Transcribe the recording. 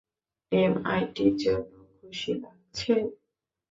এমআইটির জন্য খুশি লাগছে?